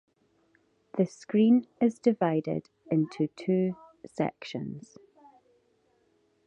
The screen is divided into two sections.